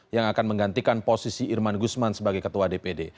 yang akan menggantikan posisi irman gusman sebagai ketua dpd